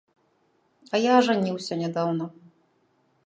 А я ажаніўся нядаўна.